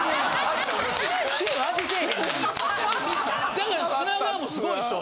だから品川も凄いでしょ。